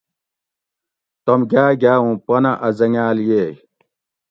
توم گاٞ گاٞ اُوں پنہ اٞ زنگاٞل ییۓ